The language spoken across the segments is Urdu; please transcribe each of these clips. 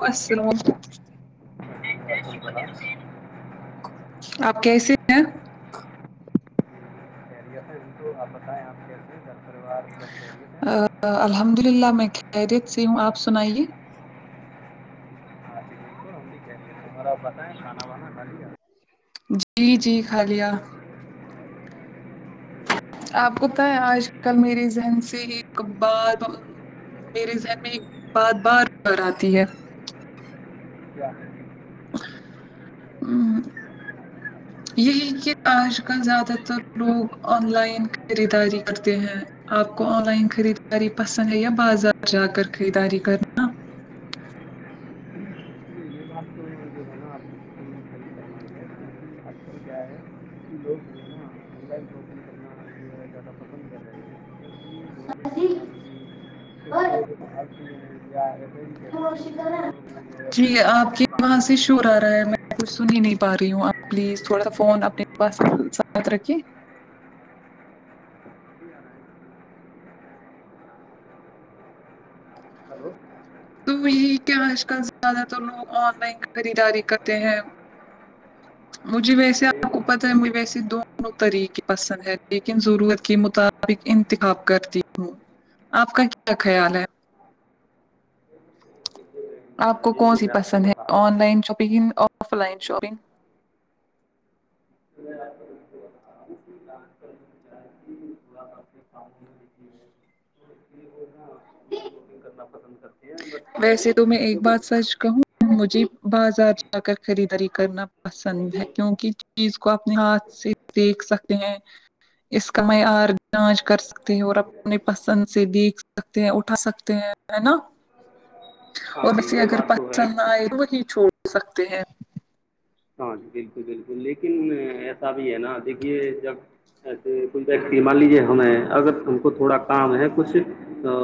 وشروم نہیں جشی بتے ت سےے آپ کیسے ہیں یس ہےٹو آپ بتائیں آپ کیسے گھر پریوار الحمد للہ میں خیریت سےی ہوں آپ سنائیے ہم بھیہاراپ بتائیں کانا وانا کالی جی جی خالیا آپ کوت ہے آج کل میری ذہن سے ہی کبار میرے ذہن میں ایک بات بار بار آتی ہے کیا ہ ج یہی کہ آج کل زیادہ تر لوگ آن لائن خریداری کرتے ہیں آپ کو آن لائن خریداری پسند ہے یا بازار جا کر خریداری ج کرنا یہ بات تو جو ہے نا آج کل کیا ہے کہ لوگ جو ہے نا آ لائ شاپگ کرنا زدہ پسند کر رہے ہیںوگ ٹھیک ہے آپ کے وہاں کاموں سے میں شور آ رہا ہے کچھ سن ہی نہیں پا رہی ہوں آپ پلیز تھوڑا سا فون اپنے پاس ساتھ رکھے ہلو تو یہی کیا آج کل زیادہ تر لوگ آن لائن خریداری کرتے ہیں ج مجھے ویسے آپ کو پتہ ہے مجھ ویسے دونوں طریقے پسند ہے لیکن ضرورت کے مق ابق انتخاب کرتی ہوں آپ کا کیا خیال ہے آپ کو ہوں یہی کون تو سی میں آپ کو پسند ہے بتا رہا online shopping offline shopping ب رہا ہوںافی جی ج پسند کرتی ہے ویسے تو میں ایک بات سچ کہوں مجھے بازار جا کر خریداری کرنا پسند ہے کیوںکہ چیز کو اپنے ہاتھ سے دیکھ سکتے ہیں اس کا معیار جانچ کر سک سکتے ہیں اور اپنے پسند سے دیکھ سکتے ہیں اٹھا سکتے ہیں ہے نا ہاں اور جی ویے یہ اگر بات تو ہے پسند نہ آئے تو وہی چھوڑ سکتے ہیں ہاں جی بالکل بالکل لیکن ایسا بھی ہے نا دیکھیے جب ایسے کوئی ویکتی مان لیجیے ہمیں اگر ہم کو تھوڑا کام ہے کچھ تو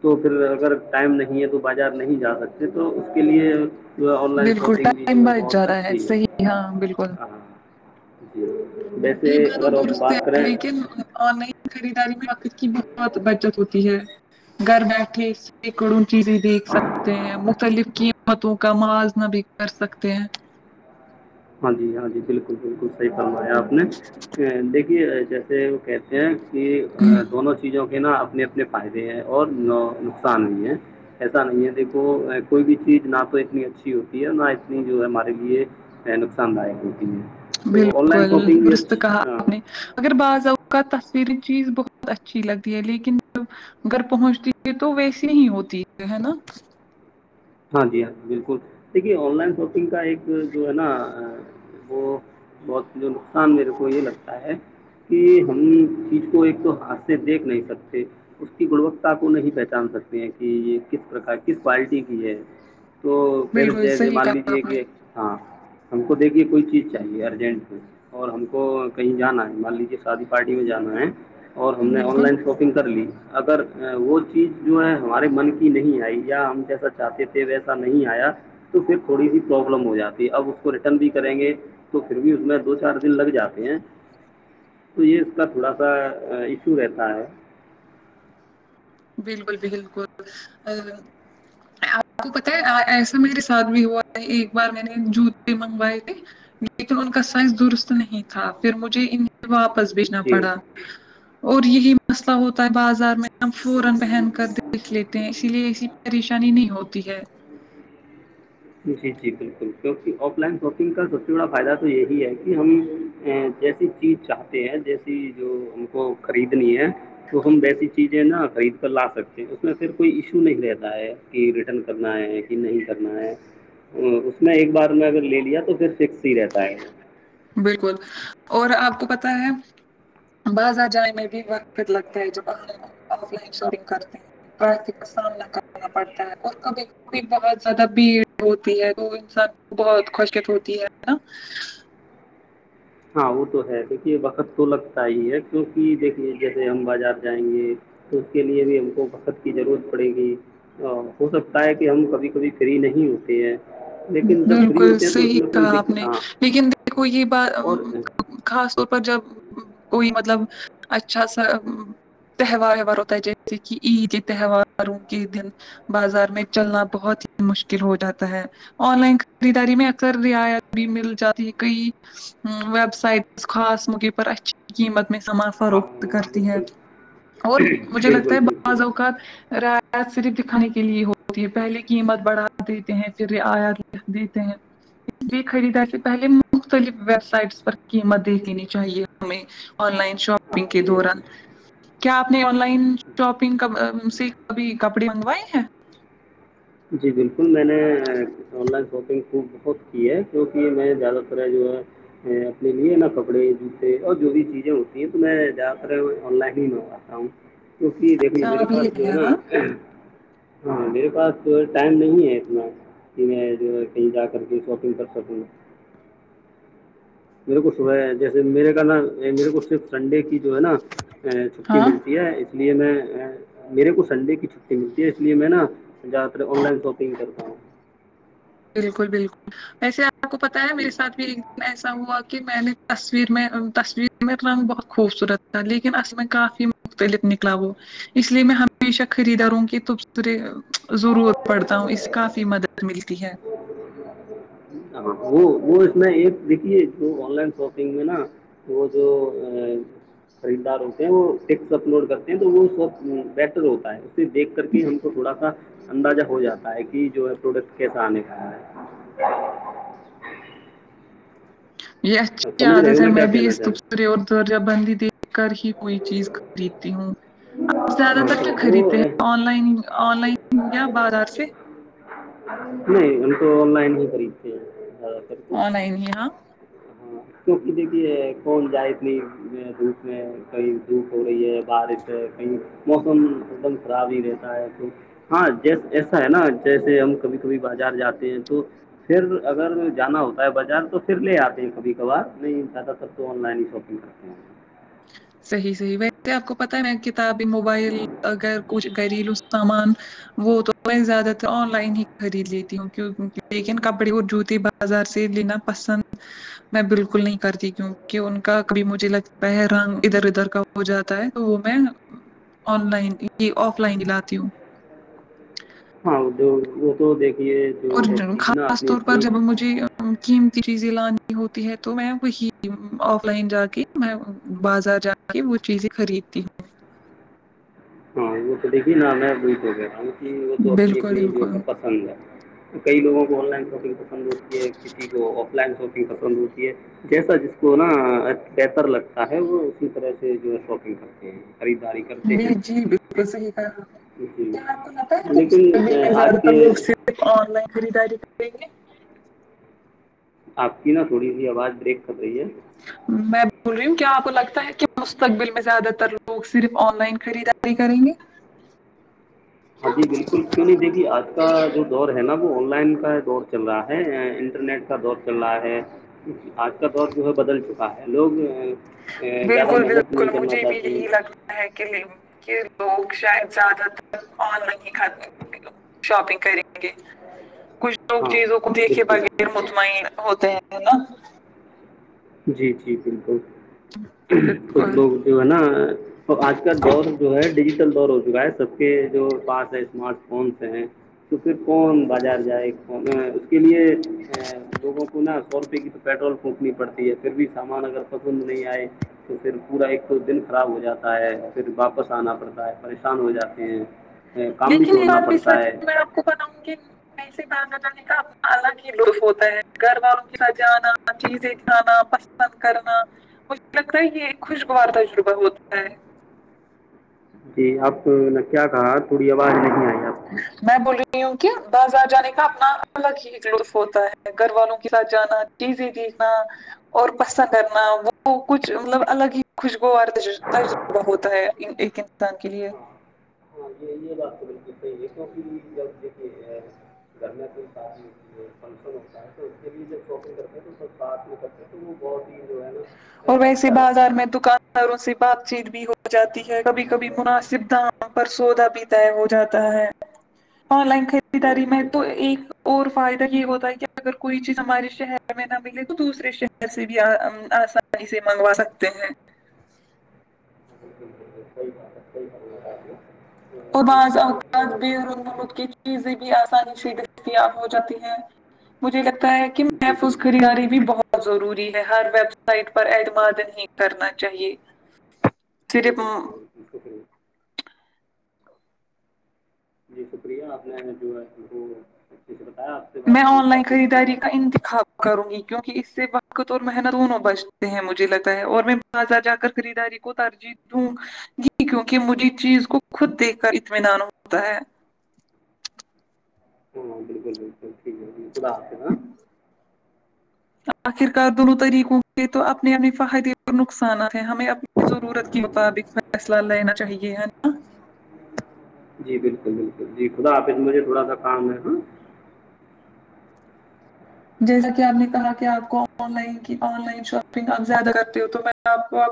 تو پھر اگر ٹائم نہیں ہے تو بازار نہیں جا سکتے تو اس کے لیے جو آن لائن شاپنگ بھی جو ہے بہت ا ہے صحی ہاں بالکل جی ویسے یہ بار اگر ہم درستتے بات کریں ل کہ خریداری میں وقت کی بہت بچت ہوتی ہے گھر بیٹھے ب کڑون چیزیں دیکھ سکتے ہیں مختلف قیمتوں کا موازنہ بھی کر سکتے ہیں ہاں جی ہاں جی بالکل بالکل صحیح فمایا آپ نے دیکھیے جیسے وہ کہ کہ دونوں چیزوں کے نا اپنے اپنے فائدے ہیں اور نقصان بھی ہے ایسا نہیں ہے دیکھو کوئی بھی چیز نہ تو اتنی اچھی ہوتی ہے نہ اتنی جو ہے ہمارے لیے نقصان داک ہوتی تو آن لائن بالکل شاپنگ بھی درست کہا اچھا آپ نے اگر بعض اوقات تصویری چیز بہت اچھی لگتی ہے لیکن جب گھر پہنچتی ہے تو ویسی نہیں ہوتی ہے ہے نا ہاں جی ہاں جی بالکل دیکھیے آن لائن شاپنگ کا ایک جو ہے نا وہ بہت جو نقصان میرے کو یہ لگتا ہے کہ ہم چیز کو ایک تو ہاتھ سے دیکھ نہیں سکتے اس کی گنوتتا کو نہیں پہچان سکتے ہیں کہ یہ کس پرک کس پارٹی کی تو پھر بالکل جیسے صحیح مان کہا لیجے آپ نے کہ ہاں ہم کو دیکھیے کوئی چیز چاہیے ارجنٹ کو اور ہم کو کہیں جانا ہے مان لیجے شادی پارٹی میں جانا ہے اور ہم نے آن بالکل لائن شاپ کر لی اگر وہ چیز جو ہے ہمارے من کی نہیں آئی یا ہم جیسا چاہتے تھے ویسا نہیں آیا تو پھر تھوڑی سی پروابلم ہو جاتی اب اس کو ریٹرن بھی کریں گے تو پھر بھی اس میں دو چار دن لگ جاتے ہیں تو یہ اس کا تھوڑا سا ایشو رہتا ہے بالکل بالکل ا آپ کو پت ہے ایسا میرے ساتھ بھی ہوا ہے ایک بار میں نے جوتے بھی منگوائے تھے یہ تو ان کا سائز درست نہیں تھا پھر مجھے ان واپس بیچنا جی پڑا اور یہی مسئلہ ہوتا ہے بازار میں فوران پہن کر دیکھ لیتے ہیں اسی لیے ایسی پریشانی نہیں ہوتی ہے جی جی بالکل کیکہ آف لائن شاپنگ کا سب سے بڑا فائدہ تو یہی ہے کہ ہم ا جیسی چیز چاہتے ہیں جیسی جو ہم کو خریدنی ہے تو ہم ویسی چیزیں نا خرید کر لا سکتے اس میں پھر کوئی ایشو نہیں رہتا ہے کہ ریٹرن کرنا ہے ہے کہ نہیں کرنا ہے اس میں ایک بار میں اگر لے لیا تو پھر سکس ہی رہتا ہے بالکل اور آپ کو پت ہے بازار جانے میں بھی وقت لگتا ہے جب ہم آف لائن شاپنگ کرتے ہیں ی کا سامنا کرنا پڑتا ہے اور کبھی بھی بہت زیادہ بھیڑ ہوتی ہے وہ انسان کو بہت خوشکت ہوتی ہے ہے نا ہاں وہ تو ہے دیکھیے وقت تو لگتا ہی ہے کیونکہ دیکھیے جیسے ہم بازار جائیں گے تو اس کے لیے بھی ہم کو بہت کی ضرورت پڑے گی ا ہو سکتا ہے کہ ہم کبھی کبھی فری نہیں ہوتے ہیں لیکن جب فری بالکل ہوتے ہیں تو اس صحیح میں کوئی کہا آپ دقت نے ہاں لیکن دیکھو یہ بات اور خاص طور پر جب کوئی مطلب اچھا سا تہوار ویوار ہو تائ جیسے کہ عید تہواروں کے دن بازار میں چلنا بہت ہی مشکل ہو جاتا ہے آن لائن خریداری میں اکثر رعایت بھی مل جاتی ہے کئی ویب سائٹس خاص مقےب پر اچھی قیمت میں سماس ہاں فروخت کرتی ہے بالکل اور مجھے لگتا بالکل ہے بالکل بعض اوقات رعایت صرف دکھانے کے لیے ہوتی ہے پہلے قیمت بڑھا دیتے ہیں پھر رعایت ل دیتے ہیں اس لیے خریداری سے پہلے مختلف ویب سائٹس پر قیمت دے دینی چاہیے ہمیں آن لائن ہاں شاپنگ کے یہ دوران کیا آپ نے آن لائن شاپنگ سے کبھی کپڑے منگوائے ہیں جی بالکل میں نے آن لائن شاپنگ خ بہت کی ہے جوکہ میں زیادہ تر جو ہے اپنے لیے نا کپڑے جوتے اور جو بھی چیزیں ہوتی ہیں تو میں زیادہ تر آن لائن ہی م پ ہ کیک دیکھے اچھا میرے آپ پاس لیتے جو ہیں ہے نا ہاں ہاں میرے پاس تو ٹائم نہیں ہے اتنا کہ میں جو ہے کہیں جا کر کے شاپنگ کر سکوں میرے کو صبح ہے جیسے میرے کا نا میرے کو صرف سنڈے کی جو ہے نا چھٹی ہاں ملتی ہے اس لیے میں میرے کو سنڈے کی چھٹی ملتی ہے اس لیے میں نا ج آن لائن شاپنگ کرتا ہوں بالکل بالکل ویسے آپ کو پتاہ ہے میرے جی ساتھ بھی ایسا ہوا کہ میں نے تصویر میں تصویر میں رنگ بہت خوبصورت تھا لیکن اص میں کافی مختلف نکلا وہ اس لیے میں ہمیشہ خریدار ہوں کہ ت تے ضرور پڑھتا ہوں اس سے کافی مدد ملتی ہے [unintelligible] ہ وہ وہ اس میں ایک دکھی ہے جو آن لائن شاپنگ میں نا وہ جو ا خریدار ہوتے ہیں وہ ٹیکٹ اپلوڈ کرتے ہیں تو وہ سب بیٹر ہوتا ہے اسے دیکھ کر کے ہم کو تھوڑا سا اندازہ ہو جاتا ہے کہ جو ٹ کےس آنے کا ہے یہ اچھی سمجھ رہے ہو عادت ہے کیا میں بھی کہنا اس چاہ رہا خوبصوری اور درجہ بندی د کر ہی کوئی چیز خریدتی ہوں آپ ہوں زیادہ تر ہاں کیا تو وہ خریدتے اے، ہیں آن لائن آن لائن یا بازار سے نہیں ہم تو آن لائن ہی خریدھی آنائن ہاں تو ک دے کہ کون جائے اتنی اس میں کہیں دھوپ ہو رہی ہے بارش ہے کہیں موسم ایک دم خراب نہیں رہتا ہے دھپ ہاں جیس ایسا ہے نا جیسے ہم کبھی کبھی بازار جاتے ہیں تو پھر اگر جانا ہوتا ہے بازار تو پھر لے آتے ہیں کبھی کبھار نہیں زیادہ سک تو آن لائن ہی شاپنگ [unintelligible] صحی صحی بائی کہ آپ کو پت ہے میں کتابی موبائل اگر کچھ گھریلو سامان وہ تو میں زیادہ تر آن لائن ہی خرید لیتی ہوں کیوںہ لیکن کپڑے اور جوتے ب بازار سے لینا پسند میں بالکل نہیں کرتی کیوںکہ ان کا کبھی مجھے لگ برگ ادھر ادھر کا ہو جاتا ہے تو وہ میں آن لائن یہ آف لائن د لاتی ہوں ہاں ادوگ وہ تو دیکھیے جو اور ویکتی کی نا خاص اپنی طور پر اپنی جب مجھے قیمتی چیزیں لانی ہوتی ہے تو میں وہی آف لائن جا کے میں بازار جا کہ وہ چیزیں خریدتی ہاں وہ تو دیکھیے نام ہے ب وہ تو ہوں اپنی بالکل اپنی جو ہے بالکل پسند ہے کئی لووں کو آن لائن شاپنگ پسند ہوتی ہے کسی کو آف لائن شاپنگ پسند ہوتی ہے جیسا جس کو نا بہتر لگتا ہے وہ اسی طرح سے جو ہے شاپنگ کرتے ہیں خریداری کرتے ہیں س کہا آپ نے جی کیا آپ کو لتا ہے کہ لیکن مستقبل اے، میں آج زیادہ تر کے لوگ سے صرف آن لائن خریداری کریں گے آپ کی نا تھوڑی سی آواز بریک کر رہی ہے میں بول رہی ہوں کیا آپ کو لگتا ہے کیا مستقبل میں زیادہ تر لوگ صرف آن لائن خریداری کریں گے ہاں جی بالکل کیوں نہیں دیکھیے آج کا جو دور ہے نا وہ آن لائن کا دور چل رہا ہے انٹرنیٹ کا دور چل رہا ہے آج کا دور جو ہے بدل چکا ہے لوگ زیادہ بالکل محنت نہیں بالکل کرنا مجھے بھی چاہتے یہی لگتا ہے کے لیے کہ لوگ شاید زیادہ تر آن لائن ہی خم شاپنگ کریں گے کچھ لوگ ہاں چیزوں کو دیکھے بالکل بغیر مطمئن ہوتے ہیں نا جی جی بالکل کچھ بالکل لوگ جو ہے نا اور آج کال دور جو ہے ڈیجیٹل دور ہو چکا ہے سب کے جو پاس ہے اسمارٹ فونس ہیں تو پھر کون بازار جائے اس کے لیے لوگوں کو نا سو روپے کی تو پیٹرول پھنکنی پڑتی ہے پھر بھی سامان اگر پسند نہیں آئے تو پھر پورا ایک تو دن خراب ہو جاتا ہے اور پھر واپس آنا پڑتا ہے پریشان ہو جاتے ہیں کام بھی لیکن ایک چھوڑنا بات بھی پڑتا سچ ہے میں آپ کو بتاؤں گی میں سے باہر ن جانے کا اپنا الگ ہی لطف ہوتا ہے گھر والوں کی ساتھ جانا چیزیںانا بند کرنا مجھے لگتا ہے یہ ایک خوشگوار تجربہ ہوتا ہے جی آپ کو نے کیا کہا تھوڑی آواز نہیں آئی آپ میں بول رہی ہوں کہ بازار جانے کا اپنا الگ ہی ایک لطف ہوتا ہے گھر والوں کے ساتھ جانا چیزیں دیکھنا اور پسند کرنا وہ کچھ مطلب الگ ہی خوشگوار تجربہ ہوتا ہے ایک انسان کے لیے ہاں ہاں یہ یہ بات تو بالکل صحی ہے کیوںکھر بھی ج دیکے ہے [unintelligible] [inaudible] فنکشن ہوتا ہے تو اس کے لیے جب شاپنگ کرتے ہیں تو سب ساتھ میں کرتے ہیں تو وہ بہت ہی جو ہے نا اے، اور ویسے اچھا بازار لگتا میں ہے دکان ساروں سے بات چیت بھی ہو جاتی ہے کبھی کبھی مناسب دام پر سودا بھی وہ جاتا ہے آن لائن ہاں خریداری جی میں بالکل تو ایک اور فائدہ یہ ہوتا ہے کہ اگر کوئی چیز ہمارے شہر میں نہ ملے تو دوسرے شہر سے بھی آس پ سے منگوا سکتے ہیں بکل بکل کوئی بات کوئی بات ب اوربعض اوتاد بیرونم کے چیزیں بھی آسانی سے دستیاب ہو جاتی ہیں مجھے لگتا ہے کہ جی محفوظ بالکل گریاری بھی بہت ضروری ہے ہر ویب سائٹ پر اعتمادن نہیں کرنا چاہیے سری جی پ بالکل بالکل شکریہ جی شکریہ آپ نے جو ہے وہ اچھے سے بتایا سے میں بات کر کے آن لائن کافی اچھا لگا خریداری کا انتخاب کروں گی کیونکہ اس سے وقت اور محنت دونوں بچتے ہیں مجھے لگتا ہے اور میں تازا جا کر خریدااری کو ترجی جی کیونکہ مجھے چیز کو خود دیکھ کر اطمینان ہوتا ہے ہاں بالکل بالکل ٹھیک ہے ج خد آتےا آخر کار دونوں طریقوں کے تو اپنے اپنے فہدی اور نقصانات ہیں ہمیں اپنے ضرورت کے مطابق فیصلہ لینا چاہیے جی بالکل بالکل جی خدا آپ اس مجھے تھوڑا سا کام ہے ہاں جیسا کہ آپ نے کہا کہ آپ کو آن لائن کی آن لائن شاپنگ آپ زیادہ کرتے ہو تو میں آپ کو